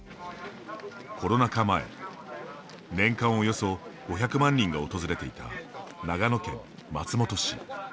コロナ禍前年間およそ５００万人が訪れていた長野県松本市。